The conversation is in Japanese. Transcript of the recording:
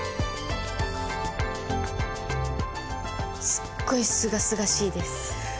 すっごいすがすがしいです。